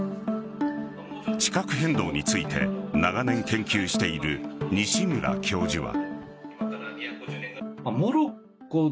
地殻変動について長年研究している西村教授は。